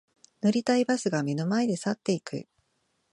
乗りたいバスが目の前で去っていく